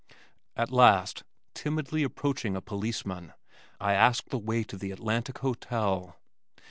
At last, timidly approaching a policeman, I asked the way to the Atlantic Hotel.